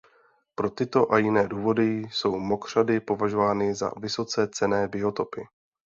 Pro tyto a jiné důvody jsou mokřady považovány za vysoce cenné biotopy.